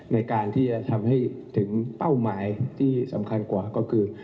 ในการที่จะทำให้ถึงเป้าหมายที่สำคัญกว่าก็คือ